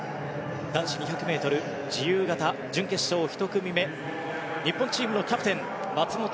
男子２００ｍ自由形準決勝１組目日本チームのキャプテン松元